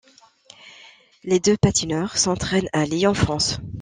Les deux patineurs s'entraînent à Lyon, France.